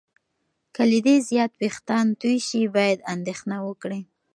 که له دې زیات وېښتان تویې شي، باید اندېښنه وکړې.